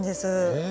へえ！